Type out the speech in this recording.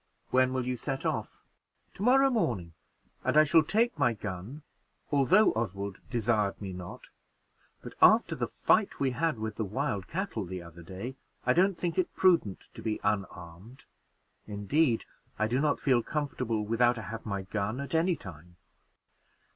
"When will you set off?" "To morrow morning; and I shall take my gun, although Oswald desired me not; but after the fight we had with the wild cattle the other day, I don't think it prudent to be unarmed; indeed, I do not feel comfortable without I have my gun, at any time."